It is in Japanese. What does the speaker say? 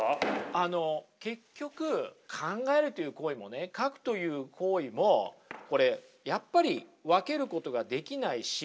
あの結局考えるという行為もね描くという行為もこれやっぱり分けることができないし。